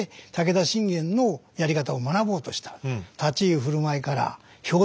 武田信玄のやり方を学ぼうとした。